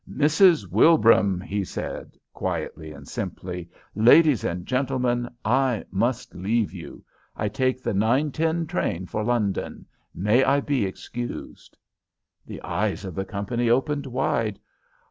"Mrs. Wilbraham,' he said, quietly and simply 'ladies and gentlemen, I must leave you. I take the 9.10 train for London. May I be excused?' "The eyes of the company opened wide.